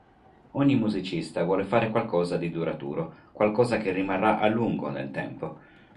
Ogni musicista vuole fare qualcosa di duraturo, qualcosa che rimarrà a lungo nel tempo.